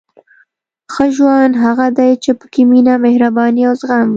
• ښه ژوند هغه دی چې پکې مینه، مهرباني او زغم وي.